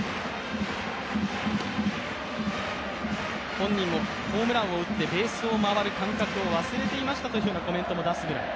本人もホームランを打ってベースを回る感覚を忘れていましたというコメントも出すくらい。